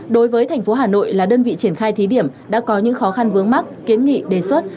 đối với thành phố hà nội là đơn vị triển khai thí điểm đã có những khó khăn vướng mắt kiến nghị đề xuất